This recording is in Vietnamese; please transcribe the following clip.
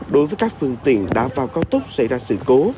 đối với các phương tiện đã vào cao tốc xảy ra sự cố